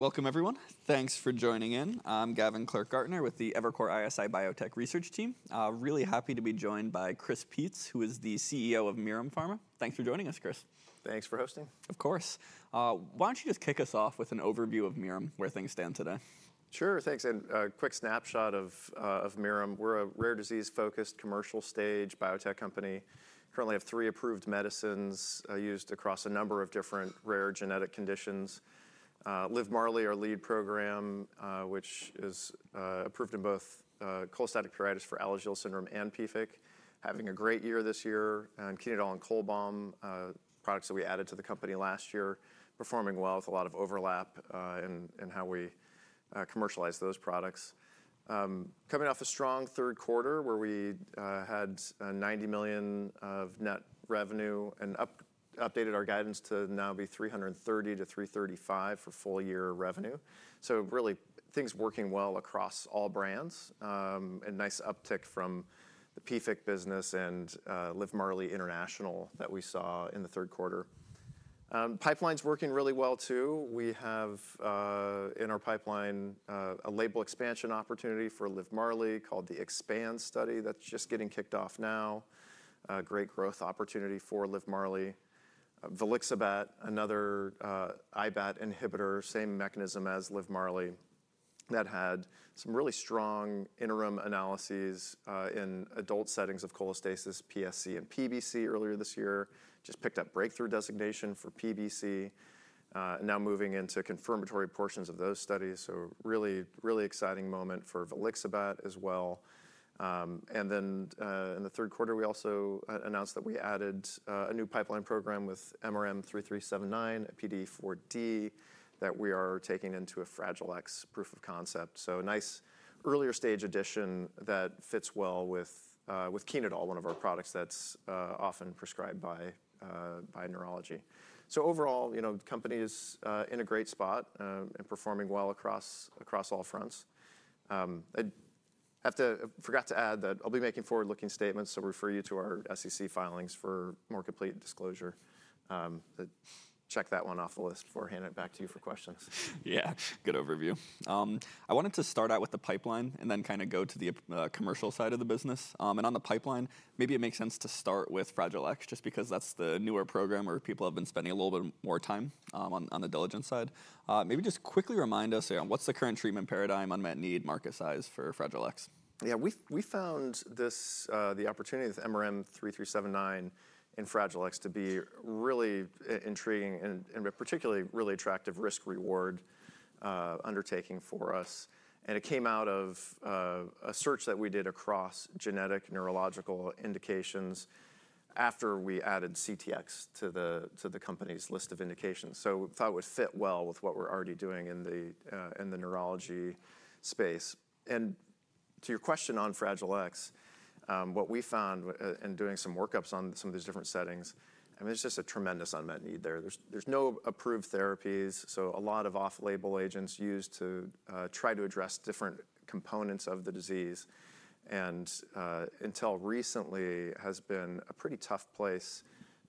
Welcome, everyone. Thanks for joining in. I'm Gavin Clark-Gartner with the Evercore ISI Biotech Research Team. Really happy to be joined by Chris Peetz, who is the CEO of Mirum Pharma. Thanks for joining us, Chris. Thanks for hosting. Of course. Why don't you just kick us off with an overview of Mirum, where things stand today? Sure, thanks. And a quick snapshot of Mirum. We're a rare disease-focused, commercial-stage biotech company. Currently, we have three approved medicines used across a number of different rare genetic conditions. Livmarli, our lead program, which is approved in both cholestatic pruritus for Alagille syndrome and PFIC, having a great year this year. And Chenodal and Cholbam, products that we added to the company last year, performing well with a lot of overlap in how we commercialize those products. Coming off a strong third quarter, where we had $90 million of net revenue and updated our guidance to now be $330-$335 million for full-year revenue. So really, things working well across all brands, and nice uptick from the PFIC business and Livmarli International that we saw in the third quarter. Pipeline's working really well, too. We have, in our pipeline, a label expansion opportunity for Livmarli called the EXPAND study that's just getting kicked off now. Great growth opportunity for Livmarli. Volixibat, another IBAT inhibitor, same mechanism as Livmarli, that had some really strong interim analyses in adult settings of cholestasis, PSC, and PBC earlier this year. Just picked up breakthrough designation for PBC, now moving into confirmatory portions of those studies, so really, really exciting moment for volixibat as well, and then, in the third quarter, we also announced that we added a new pipeline program with MRM-3379, a PDE4D, that we are taking into a Fragile X proof of concept, so nice earlier-stage addition that fits well with Chenodal, one of our products that's often prescribed by neurology, so overall, the company's in a great spot and performing well across all fronts. I forgot to add that I'll be making forward-looking statements, so refer you to our SEC filings for more complete disclosure. Check that one off the list before handing it back to you for questions. Yeah, good overview. I wanted to start out with the pipeline and then kind of go to the commercial side of the business. And on the pipeline, maybe it makes sense to start with Fragile X, just because that's the newer program where people have been spending a little bit more time on the diligence side. Maybe just quickly remind us, what's the current treatment paradigm, unmet need, market size for Fragile X? Yeah, we found the opportunity with MRM-3379 and Fragile X to be really intriguing and particularly really attractive risk-reward undertaking for us. And it came out of a search that we did across genetic neurological indications after we added CTX to the company's list of indications. So we thought it would fit well with what we're already doing in the neurology space. And to your question on Fragile X, what we found in doing some workups on some of these different settings, I mean, there's just a tremendous unmet need there. There's no approved therapies, so a lot of off-label agents used to try to address different components of the disease. And until recently, it has been a pretty tough place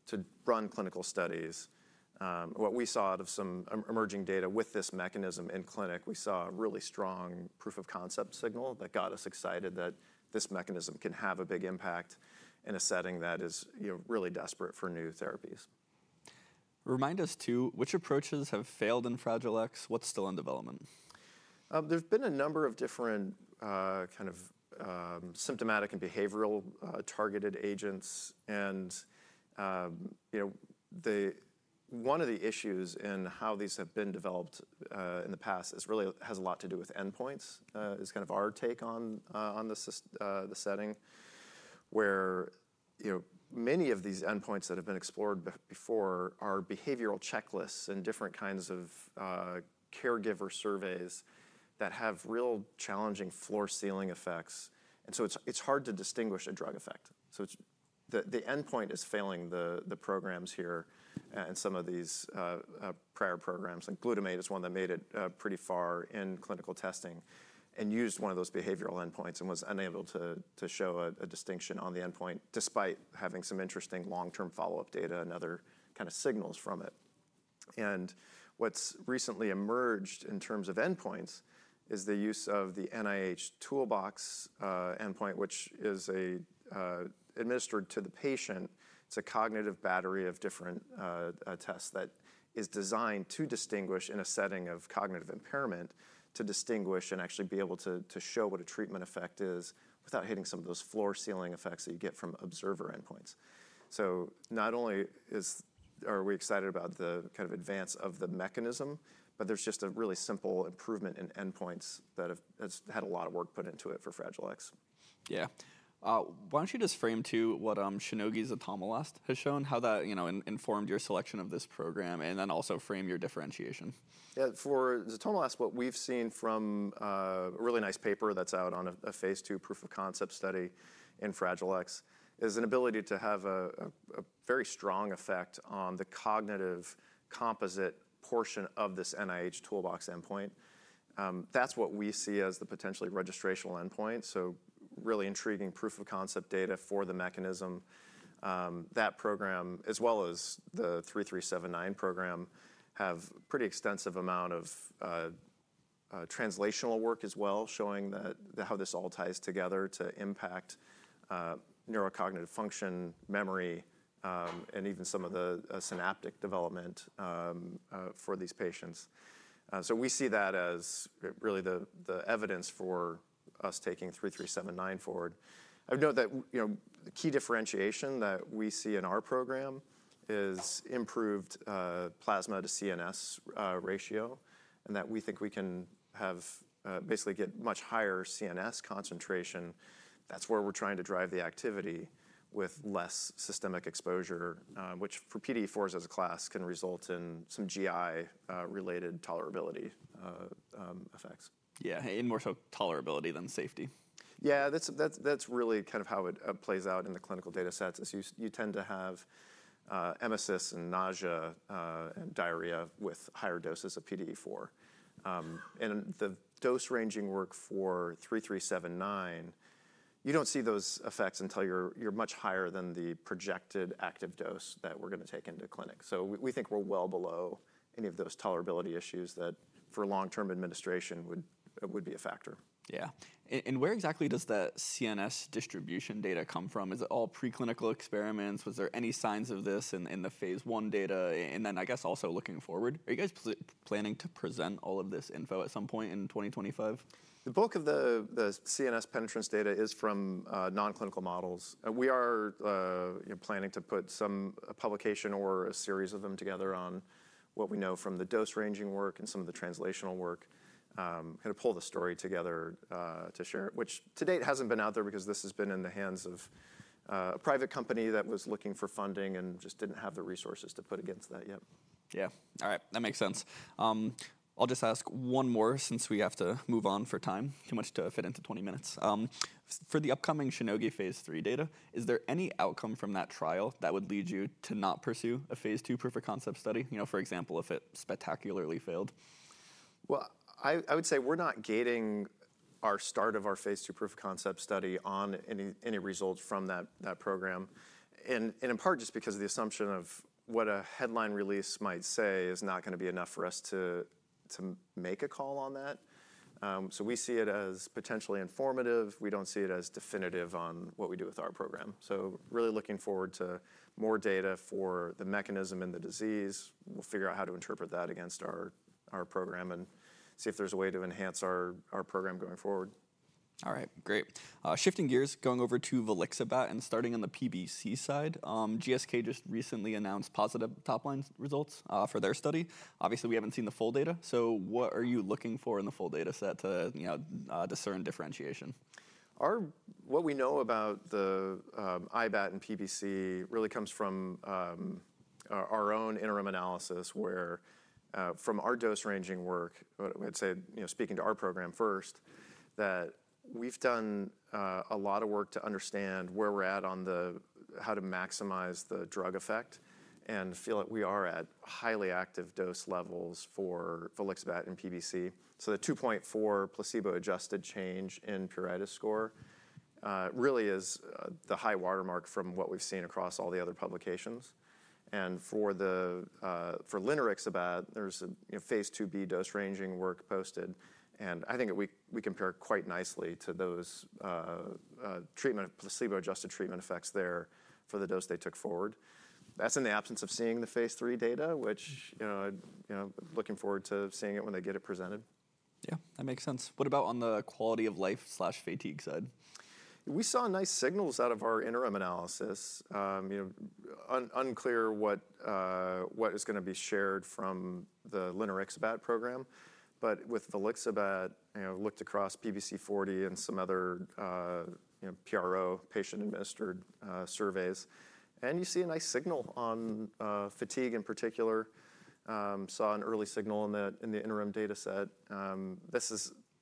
to run clinical studies. What we saw out of some emerging data with this mechanism in clinic, we saw a really strong proof of concept signal that got us excited that this mechanism can have a big impact in a setting that is really desperate for new therapies. Remind us, too, which approaches have failed in Fragile X? What's still in development? There's been a number of different kinds of symptomatic and behavioral targeted agents. And one of the issues in how these have been developed in the past has a lot to do with endpoints, is kind of our take on the setting, where many of these endpoints that have been explored before are behavioral checklists and different kinds of caregiver surveys that have real challenging floor-ceiling effects. And so it's hard to distinguish a drug effect. So the endpoint is failing the programs here. And some of these prior programs, like Glutamate, is one that made it pretty far in clinical testing and used one of those behavioral endpoints and was unable to show a distinction on the endpoint, despite having some interesting long-term follow-up data and other kinds of signals from it. And what's recently emerged in terms of endpoints is the use of the NIH Toolbox endpoint, which is administered to the patient. It's a cognitive battery of different tests that is designed to distinguish in a setting of cognitive impairment, to distinguish and actually be able to show what a treatment effect is without hitting some of those floor-ceiling effects that you get from observer endpoints. So not only are we excited about the kind of advance of the mechanism, but there's just a really simple improvement in endpoints that has had a lot of work put into it for Fragile X. Yeah. Why don't you just frame, too, what Shionogi's Zatolmilast has shown, how that informed your selection of this program, and then also frame your differentiation? Yeah, for zatolmilast, what we've seen from a really nice paper that's out on a phase two proof of concept study in Fragile X is an ability to have a very strong effect on the cognitive composite portion of this NIH Toolbox endpoint. That's what we see as the potentially registrational endpoint. So really intriguing proof of concept data for the mechanism. That program, as well as the 3379 program, have a pretty extensive amount of translational work as well, showing how this all ties together to impact neurocognitive function, memory, and even some of the synaptic development for these patients. So we see that as really the evidence for us taking 3379 forward. I would note that the key differentiation that we see in our program is improved plasma to CNS ratio, and that we think we can basically get much higher CNS concentration. That's where we're trying to drive the activity with less systemic exposure, which for PDE4s as a class can result in some GI-related tolerability effects. Yeah, and more so tolerability than safety. Yeah, that's really kind of how it plays out in the clinical data sets. You tend to have emesis and nausea and diarrhea with higher doses of PDE4. And the dose ranging work for 3379, you don't see those effects until you're much higher than the projected active dose that we're going to take into clinic. So we think we're well below any of those tolerability issues that, for long-term administration, would be a factor. Yeah, and where exactly does the CNS distribution data come from? Is it all preclinical experiments? Was there any signs of this in the phase one data? And then, I guess, also looking forward, are you guys planning to present all of this info at some point in 2025? The bulk of the CNS penetrance data is from nonclinical models. We are planning to put some publication or a series of them together on what we know from the dose ranging work and some of the translational work, kind of pull the story together to share it, which to date hasn't been out there because this has been in the hands of a private company that was looking for funding and just didn't have the resources to put against that yet. Yeah. All right, that makes sense. I'll just ask one more since we have to move on for time, too much to fit into 20 minutes. For the upcoming Shionogi phase three data, is there any outcome from that trial that would lead you to not pursue a phase two proof of concept study, for example, if it spectacularly failed? I would say we're not gating our start of our phase two proof of concept study on any results from that program, and in part just because of the assumption of what a headline release might say is not going to be enough for us to make a call on that. We see it as potentially informative. We don't see it as definitive on what we do with our program. Really looking forward to more data for the mechanism and the disease. We'll figure out how to interpret that against our program and see if there's a way to enhance our program going forward. All right, great. Shifting gears, going over to volixibat and starting on the PBC side, GSK just recently announced positive top-line results for their study. Obviously, we haven't seen the full data. So what are you looking for in the full data set to discern differentiation? What we know about the IBAT and PBC really comes from our own interim analysis, where from our dose ranging work, I'd say speaking to our program first, that we've done a lot of work to understand where we're at on how to maximize the drug effect and feel that we are at highly active dose levels for volixibat and PBC. So the 2.4 placebo-adjusted change in pruritus score really is the high watermark from what we've seen across all the other publications. For linarixabat, there's a phase 2b dose ranging work posted. I think we compare quite nicely to those treatment, placebo-adjusted treatment effects there for the dose they took forward. That's in the absence of seeing the phase 3 data, which I'm looking forward to seeing it when they get it presented. Yeah, that makes sense. What about on the quality of life/fatigue side? We saw nice signals out of our interim analysis. Unclear what is going to be shared from the linarixabat program. But with volixibat, looked across PBC-40 and some other PRO, patient-administered surveys, and you see a nice signal on fatigue in particular. Saw an early signal in the interim data set.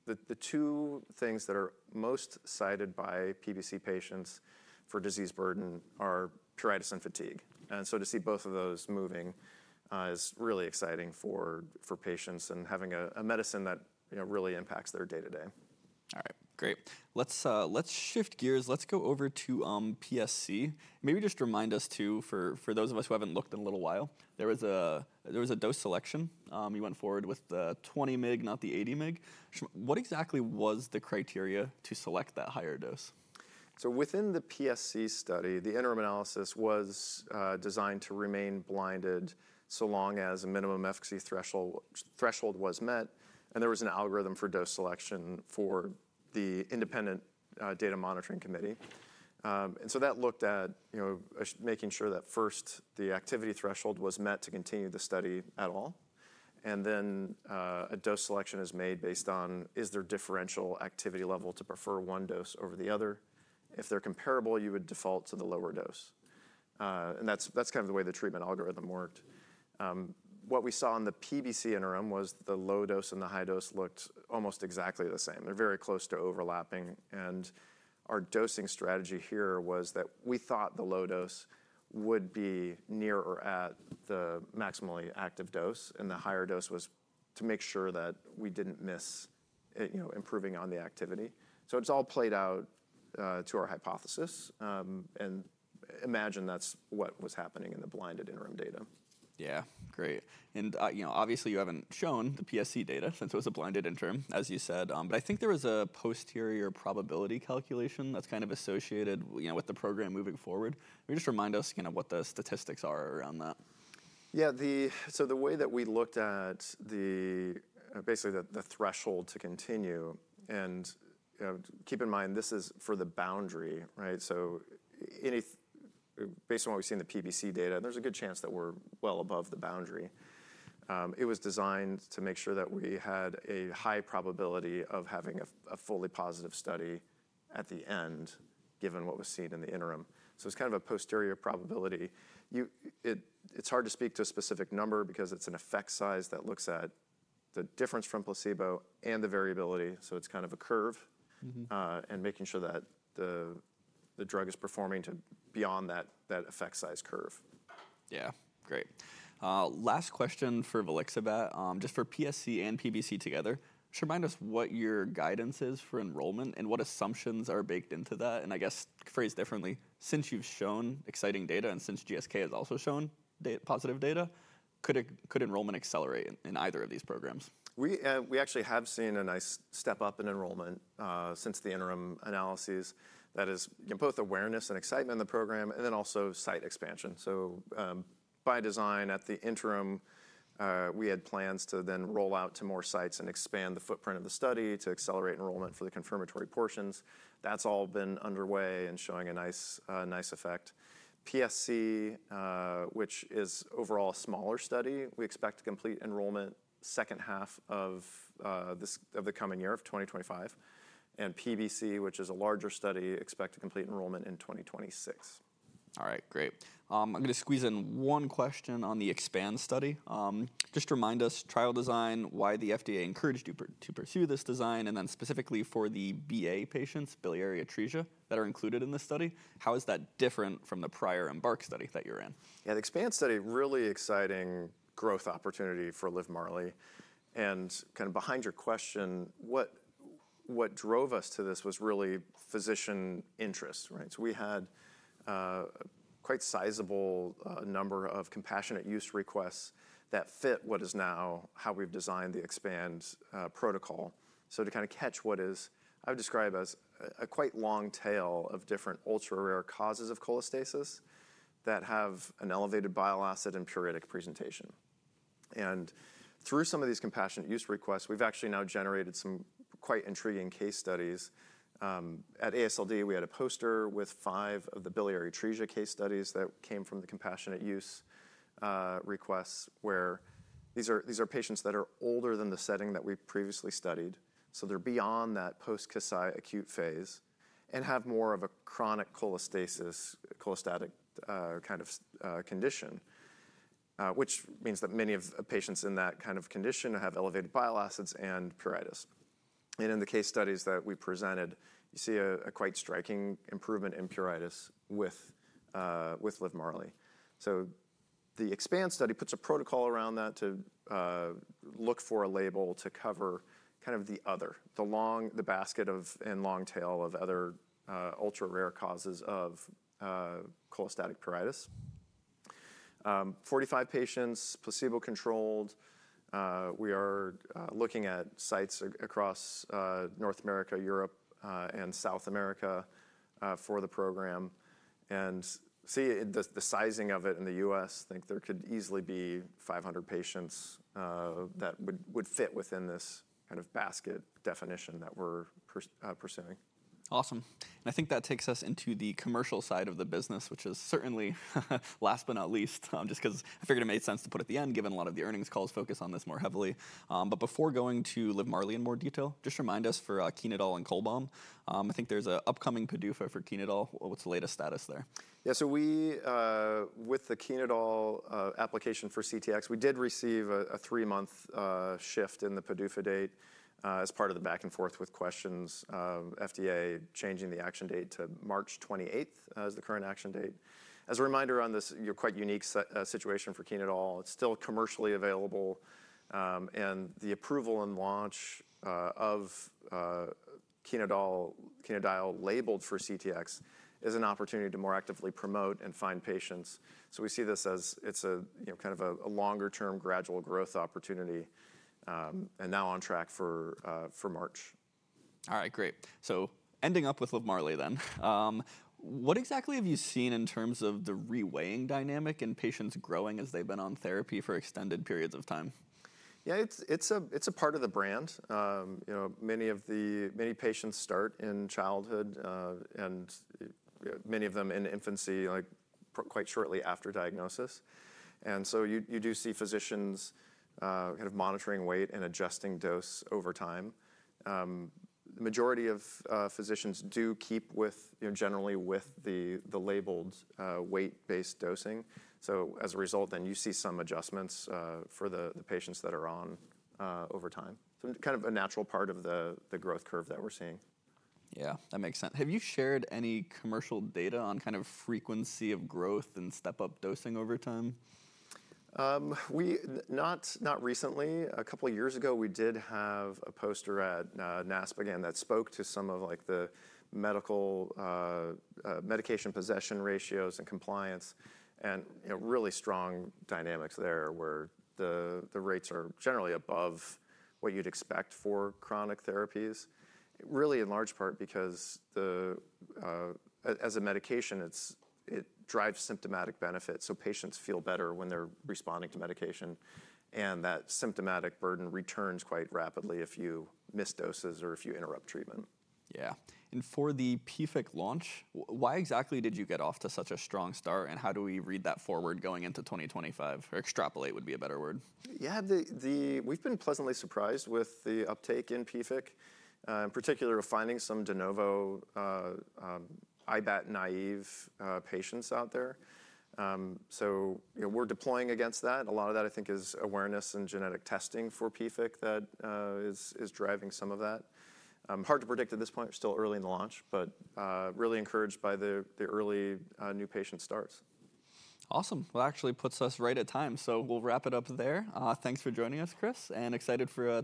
The two things that are most cited by PBC patients for disease burden are pruritus and fatigue. And so to see both of those moving is really exciting for patients and having a medicine that really impacts their day-to-day. All right, great. Let's shift gears. Let's go over to PSC. Maybe just remind us, too, for those of us who haven't looked in a little while, there was a dose selection. You went forward with the 20 mg, not the 80 mg. What exactly was the criteria to select that higher dose? Within the PSC study, the interim analysis was designed to remain blinded so long as a minimum efficacy threshold was met. There was an algorithm for dose selection for the independent data monitoring committee. That looked at making sure that, first, the activity threshold was met to continue the study at all. A dose selection is made based on, is there differential activity level to prefer one dose over the other? If they're comparable, you would default to the lower dose. That's kind of the way the treatment algorithm worked. What we saw in the PBC interim was the low dose and the high dose looked almost exactly the same. They're very close to overlapping. Our dosing strategy here was that we thought the low dose would be near or at the maximally active dose, and the higher dose was to make sure that we didn't miss improving on the activity. It's all played out to our hypothesis. Imagine that's what was happening in the blinded interim data. Yeah, great. And obviously, you haven't shown the PSC data since it was a blinded interim, as you said. But I think there was a posterior probability calculation that's kind of associated with the program moving forward. Just remind us kind of what the statistics are around that? Yeah, so the way that we looked at basically the threshold to continue, and keep in mind, this is for the boundary, right? So based on what we see in the PBC data, there's a good chance that we're well above the boundary. It was designed to make sure that we had a high probability of having a fully positive study at the end, given what was seen in the interim. So it's kind of a posterior probability. It's hard to speak to a specific number because it's an effect size that looks at the difference from placebo and the variability. So it's kind of a curve and making sure that the drug is performing beyond that effect size curve. Yeah, great. Last question for volixibat, just for PSC and PBC together. Just remind us what your guidance is for enrollment and what assumptions are baked into that. And I guess, phrased differently, since you've shown exciting data and since GSK has also shown positive data, could enrollment accelerate in either of these programs? We actually have seen a nice step up in enrollment since the interim analyses. That is both awareness and excitement in the program and then also site expansion. So by design, at the interim, we had plans to then roll out to more sites and expand the footprint of the study to accelerate enrollment for the confirmatory portions. That's all been underway and showing a nice effect. PSC, which is overall a smaller study, we expect to complete enrollment second half of the coming year of 2025, and PBC, which is a larger study, expect to complete enrollment in 2026. All right, great. I'm going to squeeze in one question on the EXPAND study. Just remind us, trial design, why the FDA encouraged you to pursue this design, and then specifically for the BA patients, biliary atresia, that are included in this study, how is that different from the prior BARC study that you're in? Yeah, the EXPAND study, really exciting growth opportunity for Livmarli, and kind of behind your question, what drove us to this was really physician interest, right, so we had a quite sizable number of compassionate use requests that fit what is now how we've designed the EXPAND protocol. So to kind of catch what is, I would describe as a quite long tail of different ultra-rare causes of cholestasis that have an elevated bile acid and pruritic presentation, and through some of these compassionate use requests, we've actually now generated some quite intriguing case studies. At AASLD, we had a poster with five of the biliary atresia case studies that came from the compassionate use requests, where these are patients that are older than the setting that we previously studied. So they're beyond that post-Kasai acute phase and have more of a chronic cholestatic kind of condition, which means that many of the patients in that kind of condition have elevated bile acids and pruritus. And in the case studies that we presented, you see a quite striking improvement in pruritus with Livmarli. So the EXPAND study puts a protocol around that to look for a label to cover kind of the other, the basket and long tail of other ultra-rare causes of cholestatic pruritus. 45 patients, placebo-controlled. We are looking at sites across North America, Europe, and South America for the program. And see the sizing of it in the US, I think there could easily be 500 patients that would fit within this kind of basket definition that we're pursuing. Awesome. And I think that takes us into the commercial side of the business, which is certainly, last but not least, just because I figured it made sense to put at the end, given a lot of the earnings calls focus on this more heavily. But before going to Livmarli in more detail, just remind us for Chenodal and Cholbam. I think there's an upcoming PDUFA for Chenodal. What's the latest status there? Yeah, so with the Chenodal application for CTX, we did receive a three-month shift in the PDUFA date as part of the back and forth with questions, FDA changing the action date to March 28th as the current action date. As a reminder on this quite unique situation for Chenodal, it's still commercially available, and the approval and launch of Chenodal labeled for CTX is an opportunity to more actively promote and find patients. We see this as it's kind of a longer-term gradual growth opportunity and now on track for March. All right, great. So ending up with Livmarli then, what exactly have you seen in terms of the reweighing dynamic in patients growing as they've been on therapy for extended periods of time? Yeah, it's a part of the brand. Many patients start in childhood and many of them in infancy, quite shortly after diagnosis, and so you do see physicians kind of monitoring weight and adjusting dose over time. The majority of physicians do keep generally with the labeled weight-based dosing, so as a result, then you see some adjustments for the patients that are on over time, so kind of a natural part of the growth curve that we're seeing. Yeah, that makes sense. Have you shared any commercial data on kind of frequency of growth and step-up dosing over time? Not recently. A couple of years ago, we did have a poster at NASPGHAN that spoke to some of the medication possession ratios and compliance and really strong dynamics there, where the rates are generally above what you'd expect for chronic therapies, really in large part because as a medication, it drives symptomatic benefit. So patients feel better when they're responding to medication. And that symptomatic burden returns quite rapidly if you miss doses or if you interrupt treatment. Yeah. And for the PFIC launch, why exactly did you get off to such a strong start? And how do we read that forward going into 2025? Or extrapolate would be a better word. Yeah, we've been pleasantly surprised with the uptake in PFIC, in particular finding some de novo IBAT naive patients out there. So we're deploying against that. A lot of that, I think, is awareness and genetic testing for PFIC that is driving some of that. Hard to predict at this point. We're still early in the launch, but really encouraged by the early new patient starts. Awesome. Well, actually, it puts us right at time. So we'll wrap it up there. Thanks for joining us, Chris, and excited for.